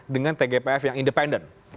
dengan tgpf yang independen